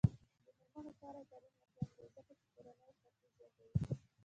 د میرمنو کار او تعلیم مهم دی ځکه چې کورنۍ خوښۍ زیاتوي.